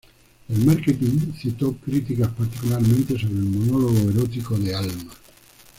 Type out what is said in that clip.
El marketing citó críticas, particularmente sobre el monólogo erótico de Alma.